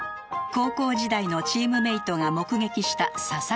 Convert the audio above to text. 高校時代のチームメートが目撃した佐々木投手は